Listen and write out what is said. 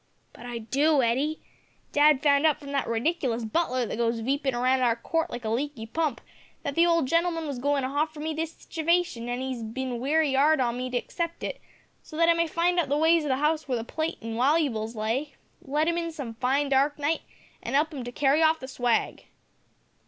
"But I do, Hetty. Dad found out from that rediklous butler that goes veepin' around our court like a leeky pump, that the old gen'l'man was goin' to hoffer me this sitivation, an 'e's bin wery 'ard on me to accept it, so that I may find out the ways o' the 'ouse where the plate an' waluables lay, let 'im in some fine dark night an' 'elp 'im to carry off the swag."